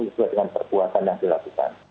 sesuai dengan perbuatan yang dilakukan